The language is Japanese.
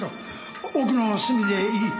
奥の隅でいい。